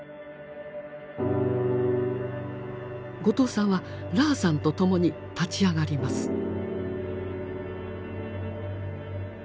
後藤さんはラーさんとともに立ち上がります。